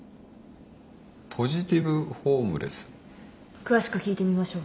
詳しく聞いてみましょう。